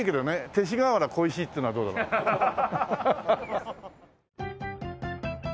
勅使瓦こいしっていうのはどうだろう？ハハハ。